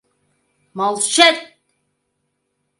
Молча-ать!..